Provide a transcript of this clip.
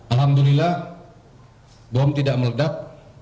alhamdulillah bom tidak meledak